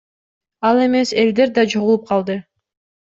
Ал эмес элдер да чогулуп калды.